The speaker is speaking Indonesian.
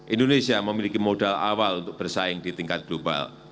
indonesia memiliki modal awal untuk bersaing di tingkat global